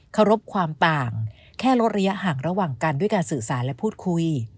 เคารพความต่างแค่ลดระยะห่างระหว่างกันด้วยการสื่อสารและพูดคุย